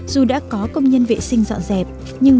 dù đã có công nhân vệ sinh dọn dẹp nhưng